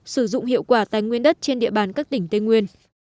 sử dụng hiệu quả tài nguyên đất trên địa bàn các tỉnh tây nguyên